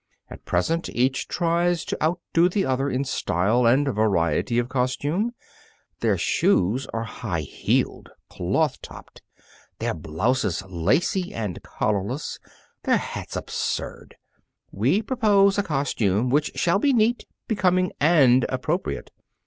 At present each tries to outdo the other in style and variety of costume. Their shoes are high heeled, cloth topped, their blouses lacy and collarless, their hats absurd. We propose a costume which shall be neat, becoming, and appropriate.